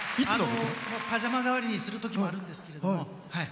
パジャマ代わりにするときもあるんですが。